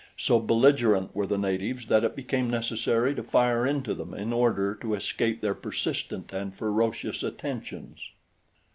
So belligerent were the natives that it became necessary to fire into them in order to escape their persistent and ferocious attentions.